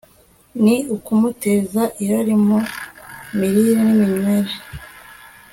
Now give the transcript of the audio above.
ni ukumuteza irari mu mirire niminywere